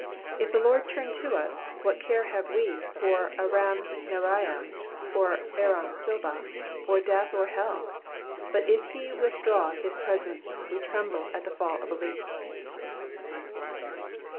If the Lord turn to us, what care we for Aram naharaim or Aram zobah, or death, or hell ? but if he withdraw his presence we tremble at the fall of a leaf.